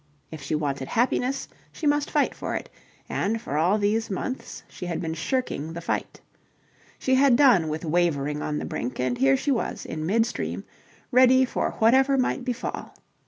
If she wanted happiness, she must fight for it, and for all these months she had been shirking the fight. She had done with wavering on the brink, and here she was, in mid stream, ready for whatever might befall.